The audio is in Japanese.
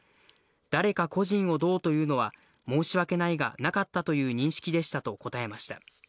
誰か個人をどうというのは、申し訳ないが、なかったという認識でしたと答えました。